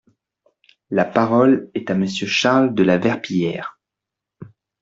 La parole est à Monsieur Charles de la Verpillière.